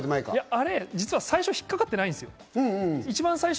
あれ、最初、引っかかってないんですよ。